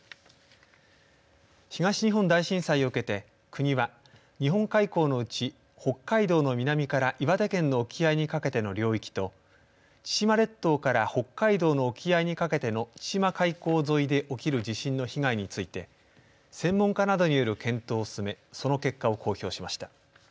東日本大震災を受けて、国は日本海溝のうち北海道の南から岩手県の沖合にかけての領域と千島列島から北海道の沖合にかけての千島海溝沿いで起きる地震の被害について専門家などによる検討を進めその結果を公表しました。